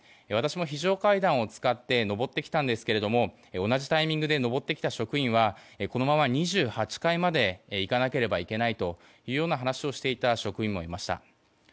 私も非常階段を使って上ってきたんですが同じタイミングで上ってきた職員はこのまま２８階まで行かなければいけないというような話をしていた職員もいました。